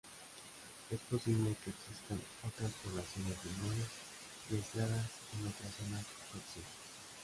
Es posible que existan otras poblaciones menores y aisladas en otras zonas próximas.